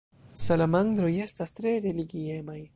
Salamandroj estas tre religiemaj.